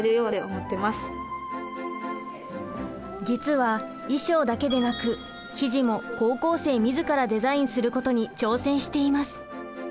実は衣装だけでなく生地も高校生自らデザインすることに挑戦しています。